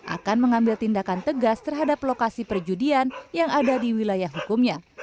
akan mengambil tindakan tegas terhadap lokasi perjudian yang ada di wilayah hukumnya